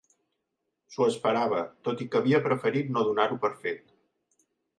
S'ho esperava, tot i que havia preferit no donar-ho per fet.